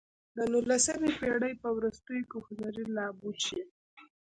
د نولسمې پېړۍ په وروستیو کې هنري لابوچي.